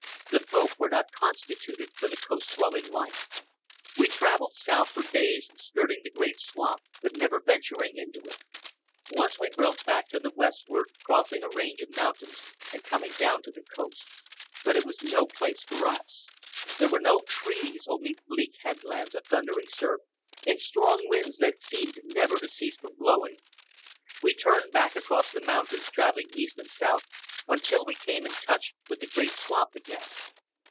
The Folk were not constituted for the coast dwelling life. We travelled south, for days skirting the great swamp but never venturing into it. Once we broke back to the westward, crossing a range of mountains and coming down to the coast. But it was no place for us. There were no trees—only bleak headlands, a thundering surf, and strong winds that seemed never to cease from blowing. We turned back across the mountains, travelling east and south, until we came in touch with the great swamp again.